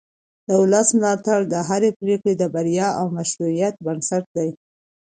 د ولس ملاتړ د هرې پرېکړې د بریا او مشروعیت بنسټ دی